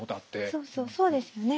そうそうそうですよね。